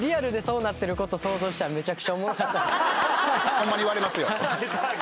ホンマに言われますよ。